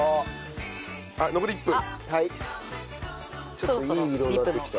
ちょっといい色になってきた。